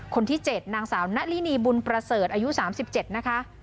คนที่๗นางสาวณลินีบุญประเสริฐอายุ๓๗นะคะ